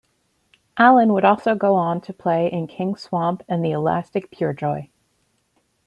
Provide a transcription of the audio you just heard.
Allen would also go on to play in King Swamp and The Elastic Purejoy.